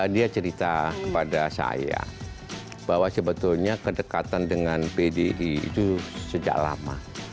dia cerita kepada saya bahwa sebetulnya kedekatan dengan pdi itu sejak lama